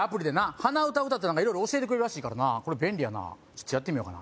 鼻歌歌ったら何か色々教えてくれるらしいからなこれ便利やなちょっとやってみようかな